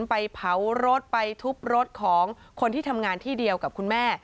ไปเผารถไปทุบรถของคนที่ทำงานที่เดียวกับคุณแม่